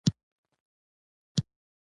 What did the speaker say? سایه د رڼا د بندېدو پایله ده.